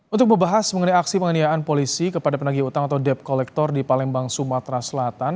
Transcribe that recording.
untuk membahas mengenai aksi penganiayaan polisi kepada penagih utang atau debt collector di palembang sumatera selatan